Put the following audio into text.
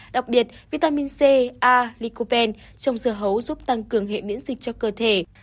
đặc biệt vitamin c a lycopene trong dừa hấu giúp tăng cường hệ biễn dịch cho cơ thể